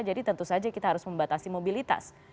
jadi tentu saja kita harus membatasi mobilitas